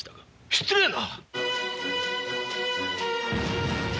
失礼な！